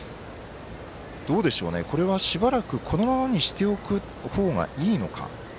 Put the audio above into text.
どうでしょうね、これはしばらくこのままにしておく方がいいのか。